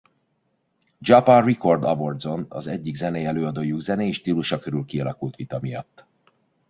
Japan Record Awardson az egyik zenei előadójuk zenei stílusa körül kialakult vita miatt.